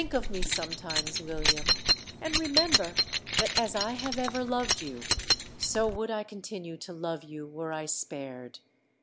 Think of me sometimes, William—and remember that as I have ever loved you, so would I continue to love you were I spared.